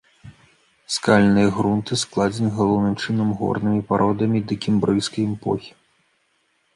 Скальныя грунты складзены галоўным чынам горнымі пародамі дакембрыйскай эпохі.